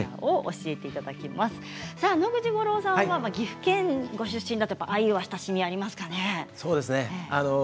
野口五郎さんは岐阜県ご出身だと鮎は親しみがそうですね。